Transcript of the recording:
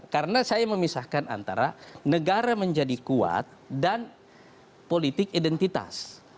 karena saya memisahkan antara negara menjadi kuat dan politik identitas